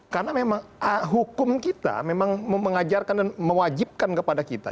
karena memang hukum kita memang mengajarkan dan mewajibkan kepada kita